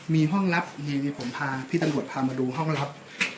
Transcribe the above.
มีห้องลับเฮวีผมพาพี่ตำรวจพามาดูห้องลับ